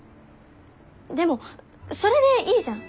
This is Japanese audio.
でもそれでいいじゃん。